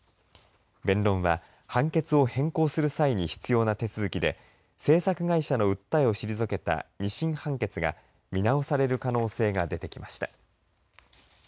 弁論は判決を変更する際に必要な手続きで制作会社の訴えを退けた２審判決が見直される可能性が出てきました。